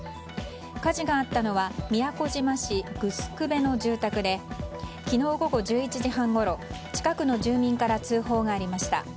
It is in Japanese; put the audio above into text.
火事があったのは宮古島市城辺の住宅で昨日午後１１時半ごろ近くの住民から通報がありました。